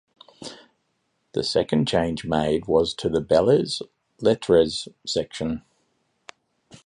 The second change made was to the "belles lettres" section.